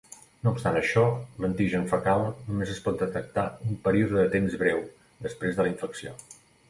No obstant això, l'antigen fecal només es pot detectar un període de temps breu després de la infecció.